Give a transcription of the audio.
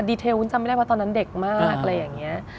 เทลวุ้นจำไม่ได้ว่าตอนนั้นเด็กมากอะไรอย่างนี้